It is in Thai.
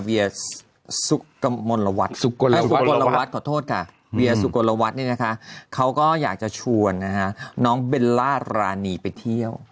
สุกลวัฒน์ขอโทษค่ะเวียสุโกนละวัดเนี่ยนะคะเขาก็อยากจะชวนน้องเบลล่ารานีไปเที่ยว